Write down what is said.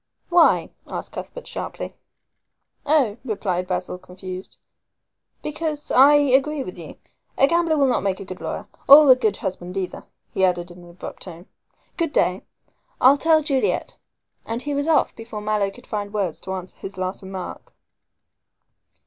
"Why?" asked Cuthbert sharply. "Oh," replied Basil, confused, "because I agree with you. A gambler will not make a good lawyer or a good husband either," he added in an abrupt tone. "Good day. I'll tell Juliet," and he was off before Mallow could find words to answer his last remark.